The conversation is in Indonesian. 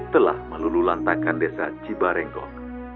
telah melululantakkan desa cibarenggok